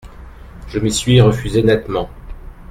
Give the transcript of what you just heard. Je m'y suis refusé nettement.